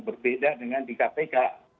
berbeda dengan di kpk